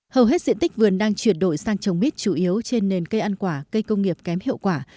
hầu hết diện tích vườn đang chuyển đổi sang trồng mít chủ yếu trên nền cây ăn quả cây công nghiệp kém hiệu quả